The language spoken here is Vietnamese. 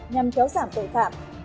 nhằm kéo giảm tội phạm